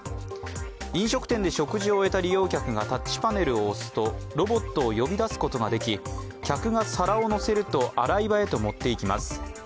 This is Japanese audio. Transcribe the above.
飲食店で食事を終えた利用客がタッチパネルを押すと、ロボットを呼び出すことができ、客が皿を載せると洗い場へと持っていきます。